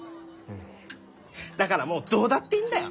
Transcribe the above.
だからもうどうだっていいんだよ！